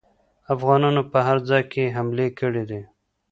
افغانانو په هر ځای کې حملې کړي دي.